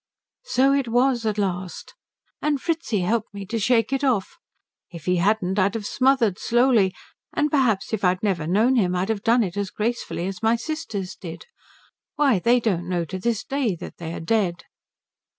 "So it was at last. And Fritzi helped me to shake it off. If he hadn't I'd have smothered slowly, and perhaps if I'd never known him I'd have done it as gracefully as my sisters did. Why, they don't know to this day that they are dead."